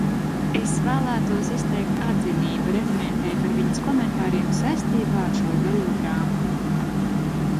Es vēlētos izteikt atzinību referentei par viņas komentāriem saistībā ar šo Zaļo grāmatu.